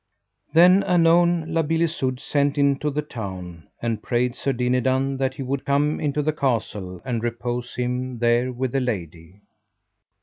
Then anon La Beale Isoud sent into the town, and prayed Sir Dinadan that he would come into the castle and repose him there with a lady.